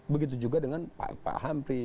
begitu juga dengan pak hamfri